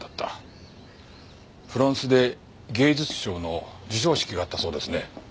フランスで芸術賞の授賞式があったそうですね。